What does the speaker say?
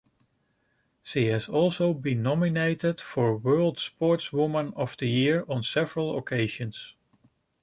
She has also been nominated for World Sportswoman of the year on several occasions.